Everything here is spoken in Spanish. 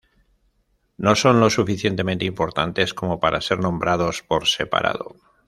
No son lo suficientemente importantes como para ser nombrados por separado.